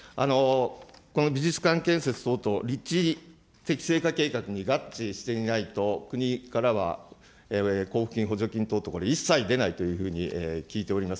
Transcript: この美術館建設等々、立地適正化計画に合致していないと、国からは交付金、補助金等々、これ、一切出ないというふうに聞いております。